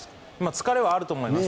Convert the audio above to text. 疲れはあると思います。